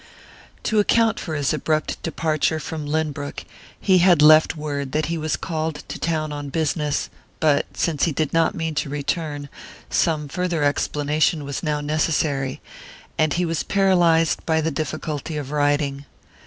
To account for his abrupt departure from Lynbrook he had left word that he was called to town on business; but, since he did not mean to return, some farther explanation was now necessary, and he was paralyzed by the difficulty of writing.